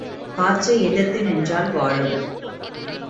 காற்றை எதிர்த்து நின்றால் வாழும்.